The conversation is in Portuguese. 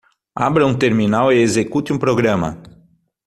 Abra um terminal e execute um programa.